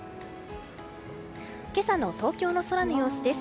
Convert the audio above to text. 今朝の東京の空の様子です。